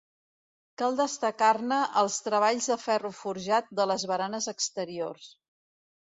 Cal destacar-ne els treballs de ferro forjat de les baranes exteriors.